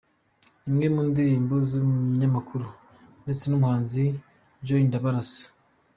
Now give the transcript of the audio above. Imwe mu ndirimbo z’umunyamakuru ndetse n’umuhanzi John Ndabarasa